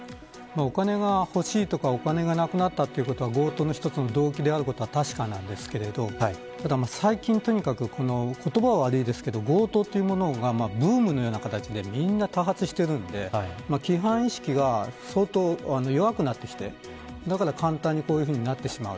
お金が欲しいとかお金がなくなったということは強盗の一つの動機であることは確かですが最近、とにかく言葉は悪いですけど強盗というものがブームのような形で多発しているので規範意識が相当弱くなってきてだから簡単にこういうふうになってしまう。